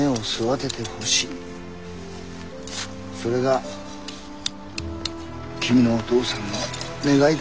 それが君のお父さんの願いだ。